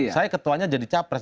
saya ketuanya jadi capres